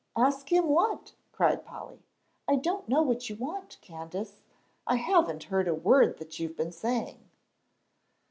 "Ask him what?" cried Polly. "I don't know what you want, Candace. I haven't heard a word that you've been saying."